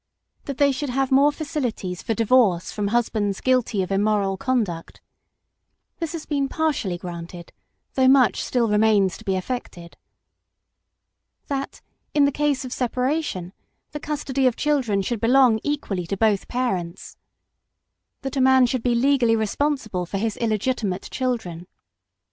That they should have more facilities for divorce from husbands guilty of immoral conduct. This has been partially granted, though much still remains to be effected. That, in the case of separation, the custody of children should belong equally to both parents. That a man should be legally responsible for his illegitimate children.